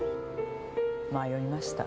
迷いました。